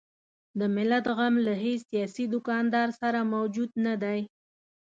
د ملت غم له هیڅ سیاسي دوکاندار سره موجود نه دی.